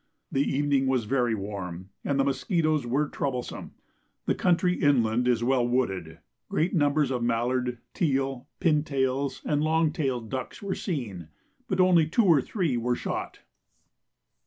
The evening was very warm, and the musquitoes were troublesome. The country inland is well wooded. Great numbers of mallard, teal, pintails, and long tailed ducks were seen, but only two or three were shot.